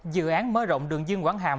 dự án mơ rộng đường dương quảng hàm